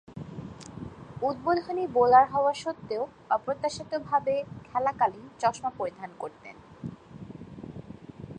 উদ্বোধনী বোলার হওয়া সত্ত্বেও অপ্রত্যাশিতভাবে খেলাকালীন চশমা পরিধান করতেন।